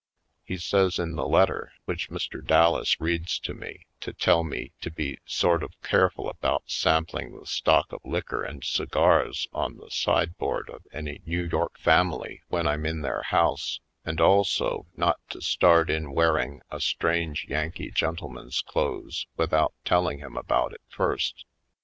He says in the letter, which Mr. Dallas reads to me, to tell me to be sort of careful about sampling the stock of liquor and cigars on the sideboard of any New York family when I'm in their house, and also not to start in wearing a strange Yankee gentle man's clothes without telling him about it first.